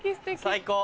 最高。